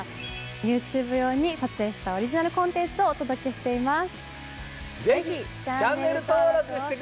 ＹｏｕＴｕｂｅ用に撮影したオリジナルコンテンツをお届けしています。